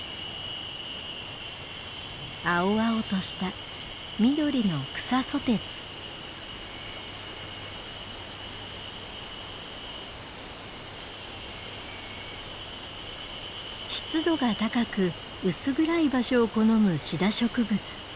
青々とした緑の湿度が高く薄暗い場所を好むシダ植物。